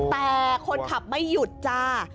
แต่คนขับไม่หยุดจ้า